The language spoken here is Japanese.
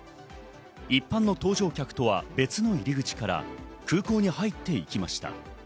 一般の搭乗客とは別の入り口から空港に入っていきました。